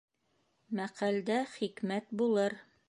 Мәҡәлдә хикмәт булыр.